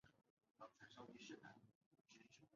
早年投资并经营奉锦天一垦务公司。